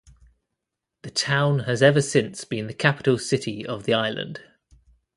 The town has ever since been the capital city of the island.